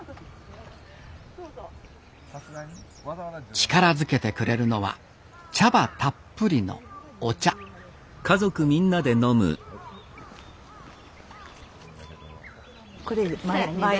力づけてくれるのは茶葉たっぷりのお茶毎回。